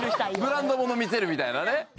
ブランドもの見せるみたいなね